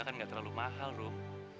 kan gak terlalu mahal rum